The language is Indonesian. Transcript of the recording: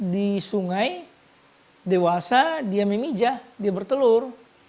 di sungai dewasa dia memijah dia bertelur